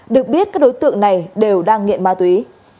được biết các đối tượng này đều đang nghiện ma túy